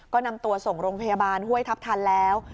ก็นำตัวส่งโรงพยาบาลห้วยทัพทันแล้ว